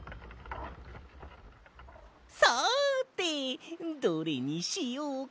さてどれにしようかな。